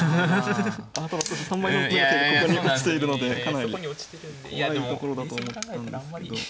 あただ３枚目の桂がここに落ちているのでかなり怖いところだと思ったんですけど。